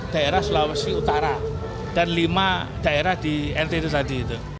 daerah sulawesi utara dan lima daerah di ntt tadi itu